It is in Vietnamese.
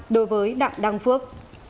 đối với đảng đăng phước